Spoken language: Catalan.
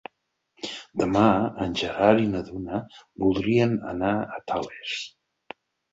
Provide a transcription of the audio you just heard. Demà en Gerard i na Duna voldrien anar a Tales.